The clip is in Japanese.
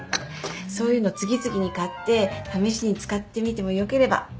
そういうの次々に買って試しに使ってみてもよければ。